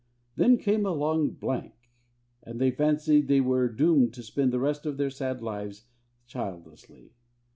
Then came a long blank; and they fancied they were doomed to spend the rest of their sad lives childlessly.